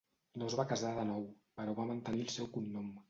No es va casar de nou, però va mantenir el seu cognom.